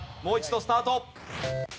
もう一度スタート。